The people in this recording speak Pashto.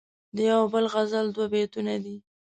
دیو بل غزل دوه بیتونه دي..